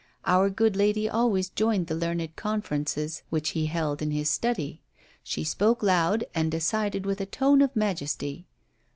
Our good lady always joined the learned conferences which he held in his study. She spoke loud, and decided with a tone of majesty.